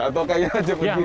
atau kayaknya jempol binal